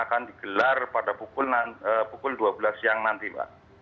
akan digelar pada pukul dua belas siang nanti mbak